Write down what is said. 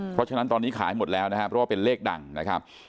เพราะฉะนั้นตอนนี้ขายหมดแล้วนะครับเพราะว่าเป็นเลขดังนะครับ